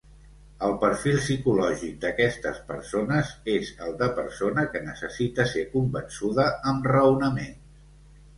El perfil psicològic d'aquestes persones és el de persona que necessita ser convençuda amb raonaments.